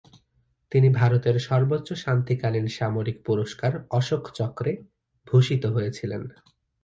তিনি ভারতের সর্বোচ্চ শান্তিকালীন সামরিক পুরস্কার অশোক চক্রে ভূষিত হয়েছিলেন।